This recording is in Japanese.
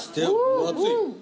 分厚い。